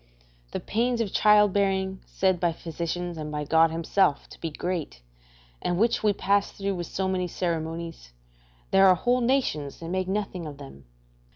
The pains of childbearing, said by the physicians and by God himself to be great, and which we pass through with so many ceremonies there are whole nations that make nothing of them.